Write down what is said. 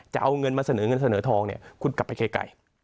จะเอาเงินมาเสนอเงินเสนอทองเนี่ยคุณกลับไปไกล